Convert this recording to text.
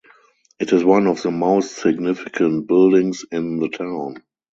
It is one of the most significant buildings in the town.